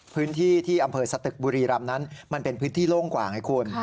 พื้นที่ที่อำเภอสตึกบุรีรำนั้นมันเป็นพื้นที่โล่งกว่าไงคุณ